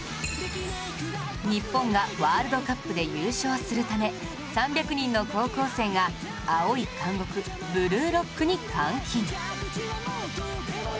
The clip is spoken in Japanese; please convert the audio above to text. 日本がワールドカップで優勝するため３００人の高校生が青い監獄ブルーロックに監禁